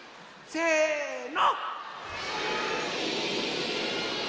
せの！